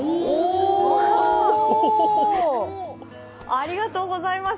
ありがとうございます。